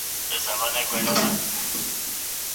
د علم ترلاسه کول پای نه لري.